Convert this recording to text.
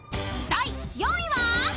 ［第５位は？］